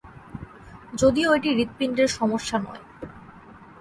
যদিও এটি হূৎপিণ্ডের সমস্যা নয়।